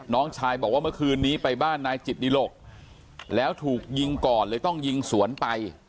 น้องชายบอกว่าเมื่อคืนนี้ไปบ้านนายจิตดิหลกแล้วถูกยิงก่อนเลยต้องยิงสวนไป